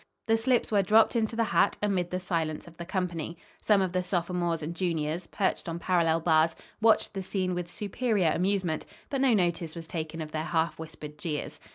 The slips were dropped into the hat, amid the silence of the company. Some of the sophomores and juniors, perched on parallel bars, watched the scene with superior amusement, but no notice was taken of their half whispered jeers.